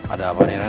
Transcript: ada apa nih ren